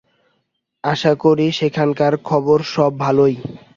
আশা করি সেখানকার খবর সব ভালই।